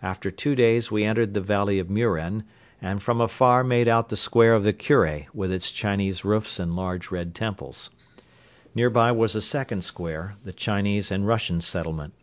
After two days we entered the valley of Muren and from afar made out the square of the Kure with its Chinese roofs and large red temples. Nearby was a second square, the Chinese and Russian settlement.